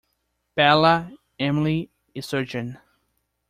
Bella, Emily — a surgeon!